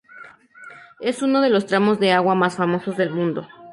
Es uno de los tramos de agua más famosos del mundo.